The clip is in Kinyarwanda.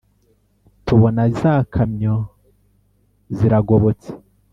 tubona za kamyo ziragobotse